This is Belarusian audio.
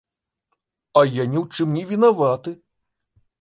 А я ні ў чым не вінаваты.